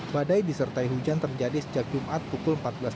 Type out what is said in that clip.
badai disertai hujan terjadi sejak jumat pukul empat belas tiga puluh